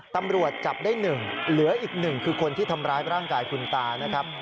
ตำรวจจับได้๑เหลืออีก๑คือคนที่ทำร้ายร่างกายคุณตานะครับ